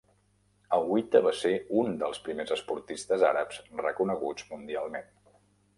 Aouita va ser un dels primers esportistes àrabs reconeguts mundialment.